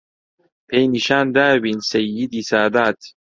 پێی نیشان داوین سەییدی سادات